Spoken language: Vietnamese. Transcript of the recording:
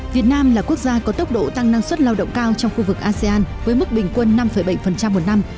việt nam là quốc gia có tốc độ tăng năng suất lao động cao trong khu vực asean với mức bình quân năm bảy một năm